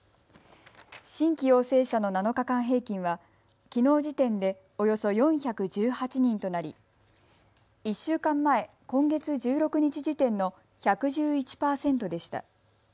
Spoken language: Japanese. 新規陽性者の７日間平均はきのう時点で、およそ４１８人となり１週間前、今月１６日時点の１１１％でした。